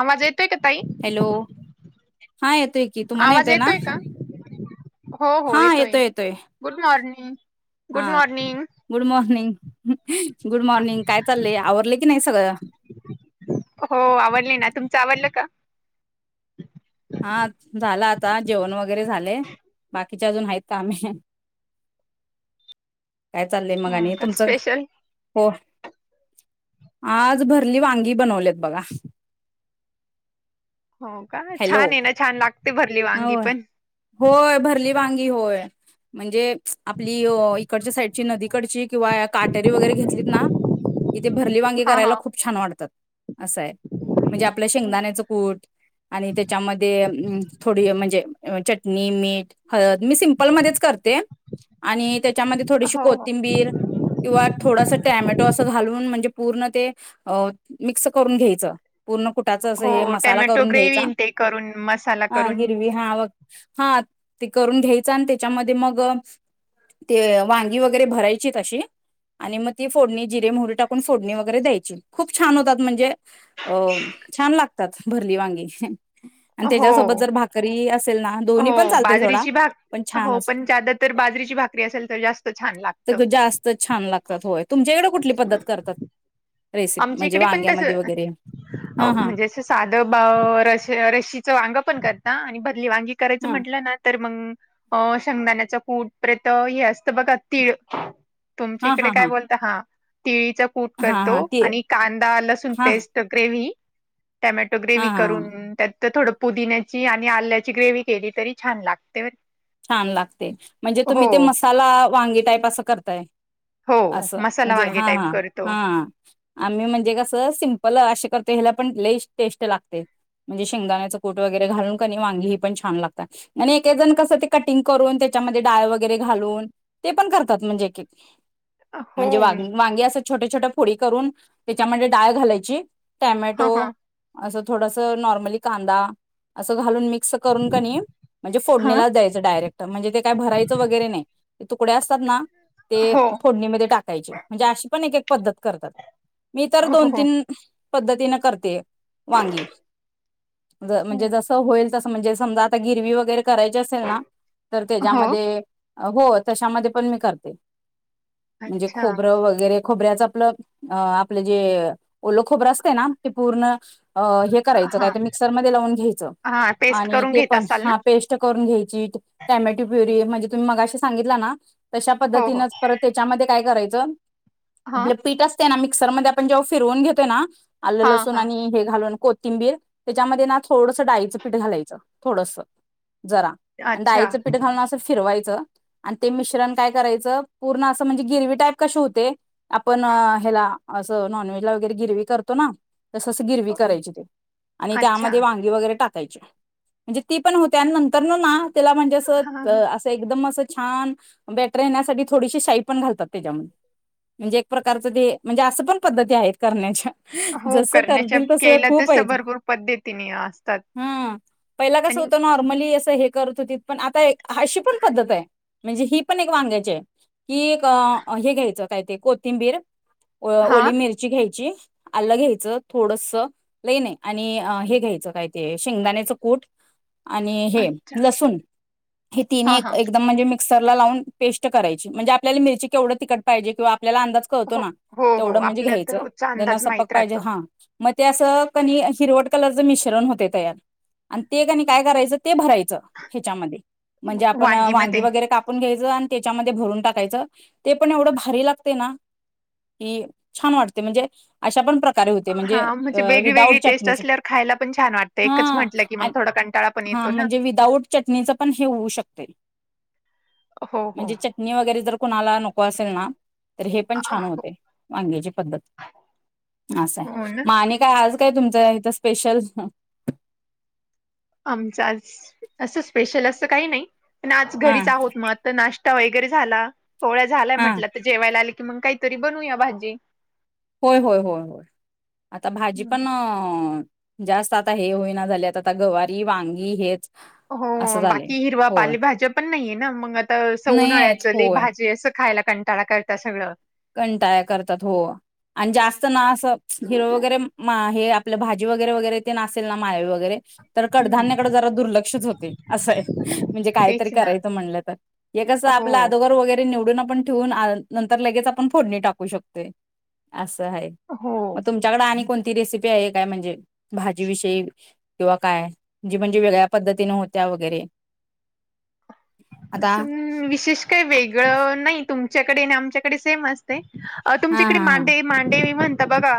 आवाज येतोय का ताई हॅलो. हा येतोय की तुम्हाला आवाज येतय ना येतोय का? हो हो हा येतोय येतोय. गुड मॉर्निंग हा good morning. Good morning, good morning काय चाललंय? आवरले की नाही सगळं. हो आवरले ना, तुमचं आवरलं का? हा झाल आता जेवण वगैरे झाले. बाकीचे अजून आहेत कामे. काय चाललंय मग हो आणि का तुमचं? स्पेशल हो. आज भरली वांगी बनवलेत बघा. हो का? हॅलो छान आहे ना छान लागते भरली वांगी होय पण. होय, भरली वांगी होय. म्हणजे आपली इकडच्या साईडची नदीकडची किंवा काटेरी वगैरे घेतलीत ना इथे भरली वांगी हा करायला हा खूप छान वाटतात असाय, म्हणजे आपलं हो शेंगदाण्याचं कूट आणि त्याच्यामध्ये अम् थोडी म्हणजे चटणी, मीठ, हळद मी सिम्पलमध्येच करते. आणि त्याच्यामध्ये थोडीशी हो कोथिंबीर किंवा थोडासा टॅमॅटो असं घालून म्हणजे पूर्ण ते, मिक्स करून घ्यायचं. पूर्ण कुटाचं असं हे हो मसाला टॅमॅटो करून घ्याय ग्रेव्ही न ते करून मसाला करून हा हा ते करून घ्यायचं आणि त्याच्यामध्ये मग ते वांगी वगैरे भरायची तशी आणि मग ती फोडणी जिरे मोहरी टाकून फोडणी वगैरे द्यायची. खूप छान होतात म्हणजे अ छान लागतात भरली वांगी आणि हो त्याच्यासोबत जर भाकरी अस हो बाजरीची भाक, हो छानच पण जदा तर बाजरीची भाकरी असेल तर जास्त छान लागत. तर जास्त छान लागतात होय, तुमच्याकडे कुठली पद्धत करतात? रेसिप आमच्या म्हणजे इकडे पण तसं वांग्यामध्ये वगैरे हो हा हा. म्हणजे साधं बा र र्शीचं वांग पण करता आणि भरली वांगी करायचं हा म्हंटलं ना तर मग अ शंगदाण्याचं कुट प्रेत हे असतं बघा तीळ तुमच्या हा इकडे हा काय बोल हा तिळीचा कूट हा करतो हा ते आणि कांदा, लसून हा पेस्ट ग्रेव्ही, टमॅटो हा ग्रेव्ही हा करून त्या तर थोडं पुदिन्याची आणि आल्याची ग्रेवी केली तरी छान लागतय छान लागते म्हणजे तुम्ही ते मसाला वांगी टाईप असं करताय. हो असं मसाला म्हणजे वांगे हा टाईप हा करतो हा. आम्ही म्हणजे कसं सिम्पल अशे करतो, ह्याला पण लईच टेस्ट लागते. म्हणजे शेंगदाण्याचं कूट वगैरे घालून कणी वांगी ही पण छान लागता आणि एक जण कसं ते कटिंग करून त्याच्यामध्ये डाळवगैरे घालून ते पण करतात म्हणजे एकेक. हो म्हणजे वां वांगी असं छोट्या छोट्या फोडी करून त्याच्यामध्ये डाळ घालायची ह टॅमॅटो ह असं थोडस नॉर्मली कांदा असं घालून मिक मिक्स करून कनी म्हणजे ह फोडणीला द्याय डायरेक्ट. म्हणजे ते काय भरायच वगैरे नाही तुकडे असतात ना ते हो फोडणीमध्ये टाक टाकायचे. म्हणजे अशी पण एक एक पद्धत करतात मी तर दोन हो तीन पद्धतीने करते. वांगी हो म्हणजे जस होईल तस म्हणजे समजा आता गिरवी वगैरे करायची असेल ना तर हो त्याच्यामध्ये हो तशामध्ये पण मी करते. म्हणजे अच्छा खोबरं वगैरे खोबऱ्याच आपलं अ आपलं जे ओल खोबरं असते ना ते पूर्ण अ- हे करायचं हा काय तर मिक्सरमध्ये लावून घ्यायचं हा पेस्ट आणि करून ते घेत पण असाल ना? हा पेस्ट करून घ्यायची. टॅमॅटो प्युरी म्हणजे तुम्ही मगाशी सांगितला ना, तशा हो हो पद्धतीनंच परत त्याच्यामध्ये काय करायचं, हा आपलं पीठ असतय ना मिक्सरमध्ये आपण जेव्हा फिरवून घेतोय ना आल्ल हा लसूण हा आणि हे घालून कोथिंबीर त्याच्यामध्ये ना थोडसं डाळीचं पीठ घालायचं थोडस जरा. आणि अच्छा डाळीचं पीठ घालून असं फिरवायचं. आणि ते मिश्रण काय करायचं, पूर्ण असं म्हणजे गिरवी टाईप कसे होते? आपण ह्याला असं नॉनव्हेज ला वगैरे गिरवी करतो ना. तस अस गिरवी करायची ते आणि अच्छा त्यामध्ये वांगी वगैरे टाक कायची म्हणजे ती पण होत्या आणि नंतर ना तेला म्हणजे असं हा त हा. अस एकदम असं छान बेटर येण्यासाठी थोडीशी शाई पण घालतात त्याच्यामधे. म्हणजे एक प्रकारचं ते म्हणजे असं पण पद्धती आहेत. करण्याच्या हो जसं करण्याच्या करतील तसं केल्या खूप तस आहेत भरपूर पद्धतीने असतात. [inaudible] हा पहिला कसं आणि होतं नॉर्मली असं हे करत होती पण आता अशी पण पद्धत आहे म्हणजे ही पण एक वांग्याच्याय. कि एक हे घ्यायचं काय ते कोथिंबीर, हा ओली मिरची घ्यायची. आलं घ्यायचं थोडस, लई नाही आणि हे घ्यायचं काय ते शेंगदाण्याचं कूट. आणि हे अच्छा लसूण हे हा तीनी एक हा एकदम म्हणजे मिक क्सरला लावून पेस्ट करायची म्हणजे आपल्या मिरची केवढ तिखट पाहिजे किंवा आपल्या अंदाज कळतो हो ना हो हो तेवढं म्हणजे आपल्या तर घ्यायचं रोजचा जेना अंदाज सप्पक माहित पाहिजे राहतो हा मग ते असं कनी हिरवट कलरचं मिश्रण होतय तयार. आणि ते कणी काय करायचं ते भरायचं ह्याच्यामध्ये म्हणजे आपण वांगीमध्ये वांगी वगैरे काप पून घ्यायचं आणि त्याच्यामध्ये भरून टाकायचं ते पण एवढं भारी लागतय ना. की छान वाटतय म्हणजे अशा पण प्रकारे होते म्हणजे हा अ वेगळी विदाऊट वेगळी टेस्ट चटणीचा असल्यावर खायला पण छान वाटतं हा एकच म्हटलं की आ मग थोडा कंटाळा पण हा येतो ना म्हणजे विदाऊट चटणीचं पण हे होऊ शकतय. ह. म्हणजे चटणी वगैरे जर कुणाला नको असेल ना. तर हे पण अ, छान होतय वग्याची पद्धत असाय हो ना म आणि का आज काय तुमच इथं स्पेशल हं? आमच आज असं स्पेशल असं काही नाही पण आज हा घरीच आहोत मग तर नाश्ता वगैरे झाला पोळ्या झालाय हा म्हटलं तर जेवायला आले की मग काही तरी बनूया भाजी. होय-होय-होय होय आता भाजी हम्म. पण जास्त आता हे होईना झालेत आता गवारी, वांगी हेच हो असं झाले बाकी हिरवा होय पालीभज्या पण नाहीये ना मग आता अस नाही आहेत उन्हाळ्याचं होय भाजी असं खायला कंटाळा करता सगळं कंटाळा करतात हो. आणि जास्त ना असं हिरो वगैरे हे आपलं भाजी वगैरे-वगैरे ते नासेल ना मिळव वगैरे तर हम्म. कडधान्याकडे जरा दुर्लक्षच होते असंय म्हणजे कायतरी तेच ना करायचं म्हणलं तर हे कसं हो आप अदोगर वगैरे निवडून आपण ठेवून नंतर लगेच आपण फोडणी टाकू शकतोय आपण असा हाय हो मग तुम त्याच्याकड आणि कोणती रेसिपी आहे काय म्हणजे भाजी विषयी किंवा काय जे म्हणजे वेगळ्या पद्धतीने होत्या वगैरे ह. आता असं विशेष काही वेगळं नाही तुमच्याकडे आणि आमच्याकडे सेम असते. अ हा तुमच्याकडे हा हा. मांडे-मांडे म्हणत बघा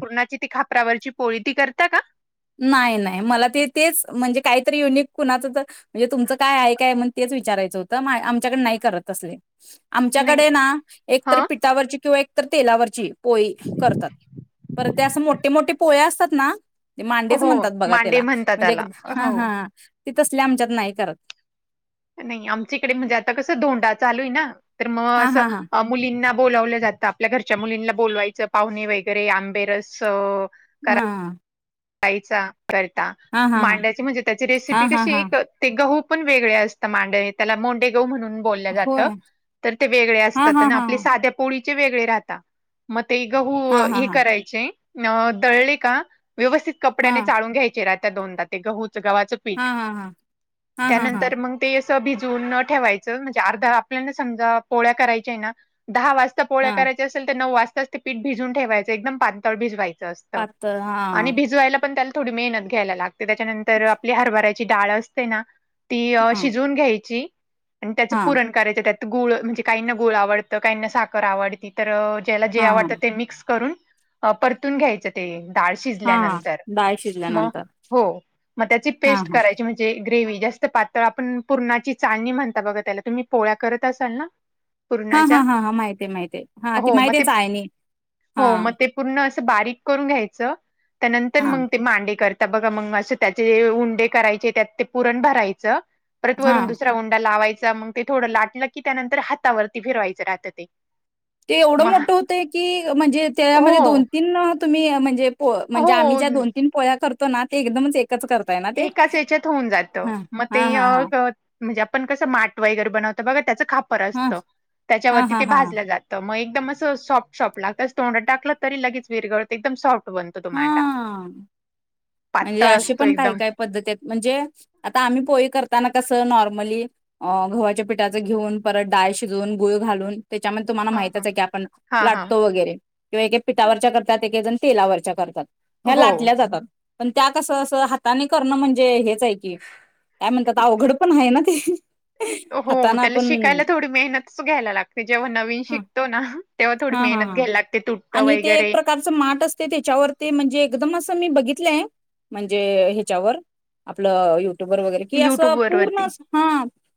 पुरणाची ती खापरावरची पोळी ती करता का? नाही-नाही मला ते तेच म्हणजे काहीतरी युनिक कुणाचं तर म्हणजे तुमचं काय आहे काय म्हण तेच विचारायचं होतं आमच्याकड नाही करत तसले. नाही आमच्याकडे ना एकतर ह पिठावरची किंवा एक तर तेलावरची पोळी करतात पर ते असं मोठे मोठे पोळे असतात ना? मांडेच हो म्हणतात बघा मांडे त्याला म्हणतात म्हणजे एक त्याला हा हो हा ते तसले आमच्यात नाही करत. नाही आमच्या इकडे म्हणजे आता कसं धोंडा चालू आहे ना तर मग हा हा हा. असं मुलींना बोलावलं जातं आपल्या घरच्या मुलींना बोलवायचं पाहुणे वगैरे आंबेरस मआ आईचा करता, हा हा. मांड्याची म्हणजे त्याची हा रेसिपी हा कशी हा. एक ते गहू पण वेगळे असता मांडे त्याला मोंडे गहू म्हणून बोलल्या जात, होय. तर ते वेगळे हा असतात हा आणि हा आपल्या हा. साध्या पोळीचे वेगळे राहता म ते गहू हा हा हे हा. करायचे न दळले का व्यवस्थित कपड्याने हा. चाळून घ्यायचे, राहता दोनदा ते गहूच गव्हाचं हा पीठ हा हा. हा हा हा. त्यानंतर मंग ते अस भिजून न ठेवायचं म्हणजे अर्धा आपल्याना समजा पोळ्या करायच्या ना दहा वास त पोळ्या हा. करायचे असेल तर नऊ वाजताच ते पीठ भिजून ठेवायचं एकदम पांतळ भिजवायचं असतं. त हा आणि भिजवायला पण त्याला थोडी मेहनत घ्यायला लागते, त्याच्यानंतर आपली हरभऱ्याची डाळ असते ना ती अ हा. शिजवून घ्यायची अन् त्याचं हा. पुरण करायच्या त्यात गुळ म्हणजे काहीना गुळ आवडतं, काहीना साखर आवडती तर ज्याला जे हा हा. आवडतं ते मिक्स करून अ परतून घ्यायचं ते डाळ हा हा शिजल्यानंतर डाळ मग शिजल्यानंतर हो मग त्याची हा पेस्ट हा करायची म्हण जे ग्रेवी जास्त पातळ आपण पुरणाची चाळणी म्हणता बघा त्याला, तुम्ही पोळ्या करत असाल ना? [inaudible] हा हा हा हा माहिते माहिते, हा ती हो मग माहितीये ते चाळणी हा हो मग ते पूर्ण असं बारीक करून घ्यायचं, त्यानंतर हा मंग ते मांडे कर त बघा मंग असं त्याचे उंडे करायचे त्यात ते पुरण भरायचं. परत हा वरून दुसरा उंडा लावायचा, मंग ते थोडं लाटलं की त्यानंतर हातावरती फिरवायचं राहतं ते ते एवढं मग मोठं होतंय की म्हणजे हो त्यामध्ये दोन तीन तुम्ही म्हणजे पोळ म्हणजे आम्ही ज्या हो दोन तीन पोळ्या करतो ना, ते एकदमच एकच करताय ना ते एकाच याच्यात होऊन जात हा मग ते हा हा अ हा क म्हणजे आपण कसं माट वगैरे बनवत बघा त्याचं खापर हा असतं हा त्याच्यावरती हा ते हा भाजलं जा त मग एकदम असं सॉफ्ट सॉफ्ट लागत, अस तोंडात टाकलं तरी लगेच विरगळत एकदम सॉफ्ट बनतो तो मांडा, हा पातळ असतो एकदम पद्धत येत म्हणजे आता आम्ही पो इ करताना कस नॉर्मली अ गव्हाच्या पिठाच घिऊन, परत डाळ शिजवून, गुळ घालून त्याच्यामध्ये तुम्हाना हा हा माहितच आहे की आपण हा हा लाटतो वगैरे किंवा एक एक पिठावरच्या करतात एकेक जण तेलावरच्या करतात ह्या हो लाटल्या जातात, पण त्या कस अस हाताने करणं म्हणजे हेच आहे की काय म्हणत्यात अवघड पण हाय ना ते हो हाताना त्याला आपण शिकायला थोडी मेहनतच घ्यायला लागते, जेव्हा नवीन हा शिकतो ना तेव्हा थोडी हा मेहनत घ्यायला लागते तुटतं वगैरे अस माट असते त्याच्यावर ते म्हणजे एकदम असं मी बघितलंय म्हणजे हेच्यावर आपलं युट्युब वर वगैरे कि असं युट्यूब पूर्ण वरती अस हा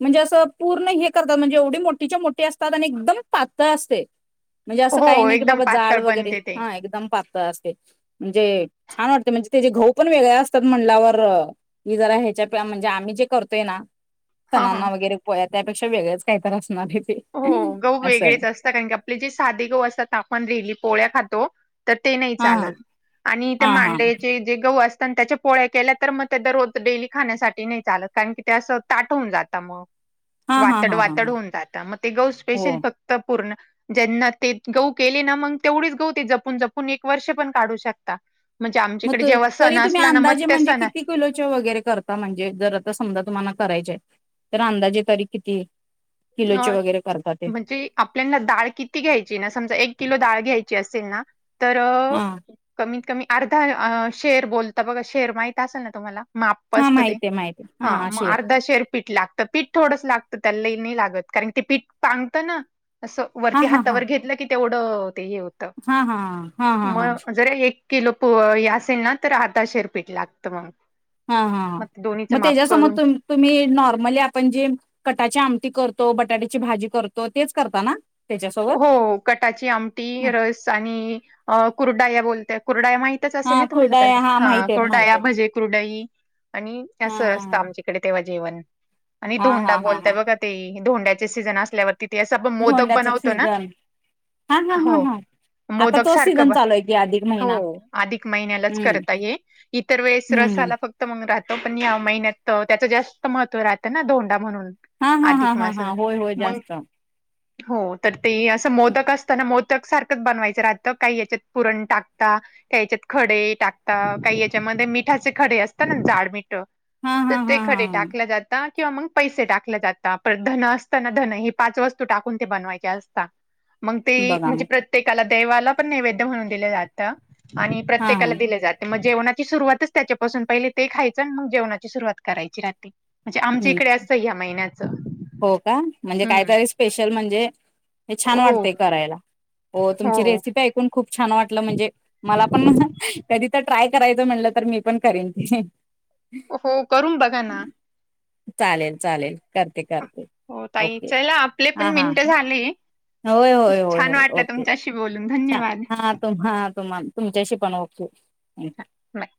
म्हणजे असं पूर्ण हे करतात म्हणजे एवढी मोठीच्या मोठी असतात आणि एकदम पातळ असते. म्हणजे असं काही हो नाही की एकदम बाबा जाड पातळ वगैरे बनते ते हा एकदम पातळ असते. म्हणजे छान वाटते म्हणजे त्याजे गहू पण वेगळे असतात म्हणल्यावर ही जरा ह्याच्या [unintelligible] म्हणजे आम्ही जे करतोय ना हा हा सणांना वगैरे पोळ्या त्यापेक्षा वेगळच काय तर असणार आहे ते हो गहू असं आहे वेगळेच असता कारण की आपले जे साधे गहू असतात ता आपण डेली पोळ्या खातो. तर ते नाही हा चालत आणि त्या हा हा मांड्याचे जे गहू असता ना आणि त्याच्या पोळ्या केल्या तर मग त्या दरोज डेली खाण्यासाठी नाही चालत कारण की ते असं ताट होून जाता म हा हा हा वातड हा हा वातड हा होऊन जात, मग ते गहू हो स्पेशली फक्त पूर्ण ज्यांना ते गहु केले ना मंग तेवढीच गहु ते जपून जपून एक वर्ष पण काढू शकता म्हणजे आमच्याकडे जेव्हा सण असला ना मत त्या सणा किलोच्या वगैरे करता म्हणजे जर आता समजा तुम्हाला करायचाय तर अंदाजे तरी किती? किलोचे अ वगैरे करता ते म्हणजे आपल्यान ना डाळ किती घ्यायची ना, समजा एक किलो डाळ घ्यायची असेल ना तर आ. कमीत कमी अर्धा शेअर बोलता बघा शेअर माहीत असेल ना तुम्हाला माप् हा असतं ते माहिती आहे माहिती आहे हा मग शेर अर्धा शेरपीठ लागते. तर पीठ थोडंस लागतं त्याला ल नाही लागत कारण ते पीठ पांगतं ना असं. हा वरती हा हा हातावर घेतलं की तेवढं ते हे होत हा हा हा हा हा हा मग जर एक किलो पो असेल ना तर आता शिरपीट लागत मग हा हा मग ते दोन्हीचं मे माप जस करून मत तुम्ही नॉर्मली आपण जे कटाची आमटी करतो बटाट्याची भाजी करतो तेच करता ना. त्याच्यासोबत हो कटाची आमटी रस आणि कुरडा या बोलत कुरडा या माहिती असेल हा ना तुम्हाला कर खुरडाय हा ह माहित आहेत माहित कुर्डाया आहेत भजे कुर्डाई आणि हा अस स असतं आमचे. तडे तेव्हा जेवण आणि हा धोंडा हा हा बोलताय हा बघा ते धोंड्याचे सीझन असल्यावर तिथे असं आपण मोदक धोंड्याच बनवतो. ना हा, हा, हो हा, हा. आता मोदक तोच सारख सीझन चालू आहे की अधिक हो महिना अधिक महिन्यालाच हम्म करता ये इतर वेळेस हम्म रसाला फक्त मग राहतो पण या महिन्यात त्याचं जास्त महत्त्व राहतं ना धोंडा म्हणून. हा हा हा अधिक हा हा मासाचा होय होय मग जास्त हा हो तर ते असं मोदक असताना मोदक सारखंच बनवायचं राहतं काही याच्यात पुरण टाकता काही याच्यात खडे टाकतात काही याच्यामध्ये मिठाचे खडे असतात ना जाड मिठ हा तर ते हा हा खडे हा टाकलं जात. किंवा मग पैसे टाकले जात पण धन असताना न हे पाच वस्तू टाकून ते बनवायचे. मग ते बघा म्हणजे मग प्रत्येकाला देवाला पण नैवेद म्हणून दिलं जात. आणि हा हा प्रत्येकाला दिले जात. मग जेवणाची सुरुवातच त्याच्यापासून पहिले ते खायचं मग जेवणाची सुरुवात करायची रात्री. म्हणजे आमच्या इकडे हम्म असतं या्या महिन्याचं हो का म्हणजे हम्म काहीतरी स्पेशल म्हणजे हे छान हो वाटतंय करायला हो तुमची रेसिपी ऐकून खूप छान वाटलं म्हणजे मला पण कधी तर ट्राय करायचं म्हणलं तर मी पण करेन ते हो करून बघा ना. चालेल चालेल करते करते. हो ओके तईचायला आपले हा पण हा मिनट झाले. होय होय होय छान होय वाटलं ओके तुमच्याशी बोलून छान धन्यवाद. हा. तुम्हा तुम्हा तुमच्याशी पण ओके. नाही.